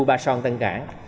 ba son tân cảng